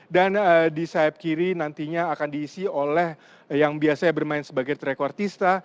dan di sahab kiri nantinya akan diisi oleh yang biasanya bermain sebagai track artista